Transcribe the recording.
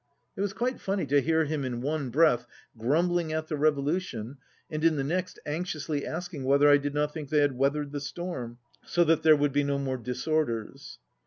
It was quite funny to hear him in one breath grumbling at the revolution and in the next anxiously asking whether I did not think they had weathered the storm, so that there would be no more disorders.